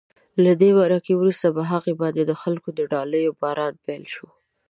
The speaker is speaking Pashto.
له دې مرکې وروسته په هغې باندې د خلکو د ډالیو باران پیل شو.